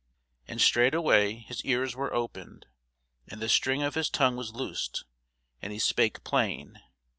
And straightway his ears were opened, and the string of his tongue was loosed, and he spake plain.